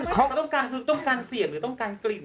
เขาต้องการเสียงหรือต้องการกลิ่น